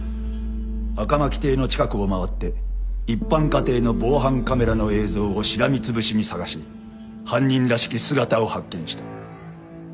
赤巻邸の近くを回って一般家庭の防犯カメラの映像をしらみつぶしに捜し犯人らしき姿を発見した。